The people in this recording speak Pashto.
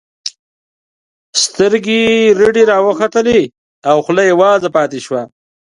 سترګې یې رډې راوختلې او خوله یې وازه پاتې شوه